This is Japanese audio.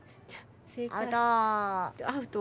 アウト。